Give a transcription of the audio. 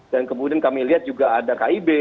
dan kemudian kami lihat juga ada kib